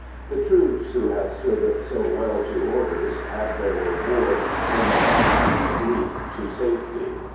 The troops who have stood so well to orders have their reward in an easy leap to safety.